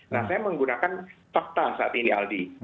nah saya menggunakan fakta saat ini aldi